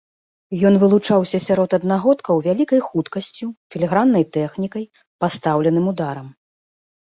Ён вылучаўся сярод аднагодкаў вялікай хуткасцю, філіграннай тэхнікай, пастаўленым ударам.